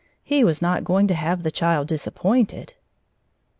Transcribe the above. He was not going to have the child disappointed.